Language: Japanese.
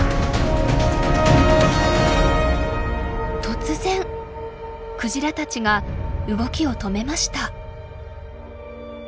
突然クジラたちが動きを止めました。